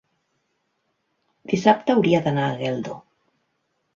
Dissabte hauria d'anar a Geldo.